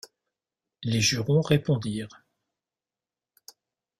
Les jurons répondirent.